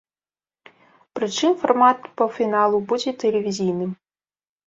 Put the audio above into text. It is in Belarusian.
Прычым фармат паўфіналу будзе тэлевізійным.